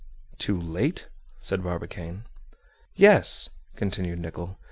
"Too late?" said Barbicane. "Yes," continued Nicholl.